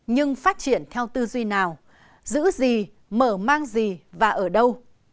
nhưng phát triển theo tư duy nào giữ gì mở mang gì và ở đâu